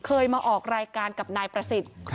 เคยมาออกรายการกับนายประสิทธิ์